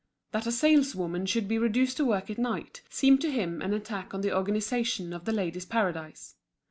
That a saleswoman should be reduced to work at night, seemed to him an attack on the organisation of The Ladies' Paradise.